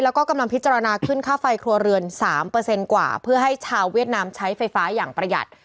แล้วก็กำลังพิจารณาขึ้นค่าไฟครัวเรือน๓กว่าเพื่อให้ชาวเวียดนามใช้ไฟฟ้าอย่างประหยัด